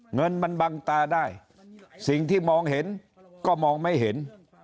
เงินมันบังตาได้สิ่งที่มองเห็นก็มองไม่เห็น